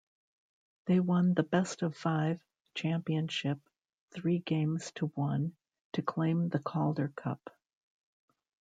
They won the best-of-five championship three games to one to claim the Calder Cup.